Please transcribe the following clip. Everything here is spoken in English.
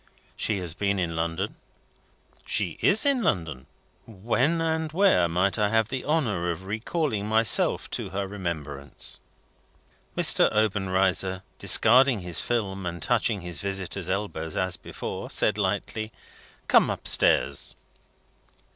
"She has been in London?" "She is in London." "When, and where, might I have the honour of recalling myself to her remembrance?" Mr. Obenreizer, discarding his film and touching his visitor's elbows as before, said lightly: "Come up stairs."